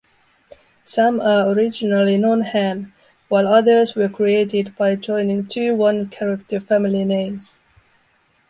Some are originally non-Han, while others were created by joining two one-character family names.